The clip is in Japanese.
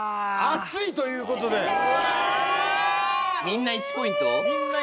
みんな１ポイント？